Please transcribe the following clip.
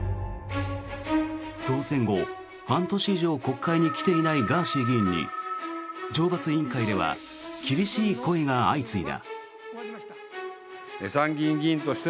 当選後、半年以上国会に来ていないガーシー議員に懲罰委員会では厳しい声が相次いだ。